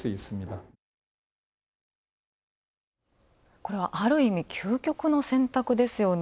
これはある意味、究極の選択ですよね。